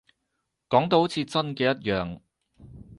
講到好似真嘅一樣